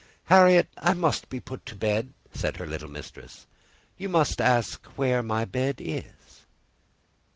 "Harriet, I must be put to bed," said her little mistress. "You must ask where my bed is."